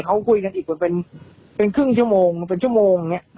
เขาคุยกันอีกเป็นครึ่งชั่วโมงเป็นชั่วโมงอย่างนี้